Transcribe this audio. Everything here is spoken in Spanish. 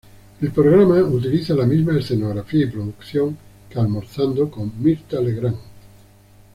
El programa utiliza la misma escenografía y producción que Almorzando con Mirtha Legrand.